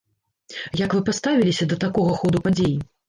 Як вы паставіліся да такога ходу падзей?